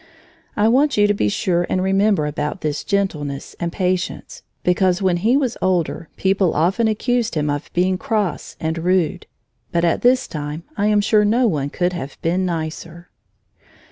I want you to be sure and remember about this gentleness and patience, because when he was older people often accused him of being cross and rude. But at this time I am sure no one could have been nicer.